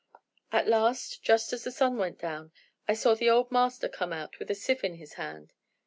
"At last, just as the sun went down, I saw the old master come out with a sieve in his hand.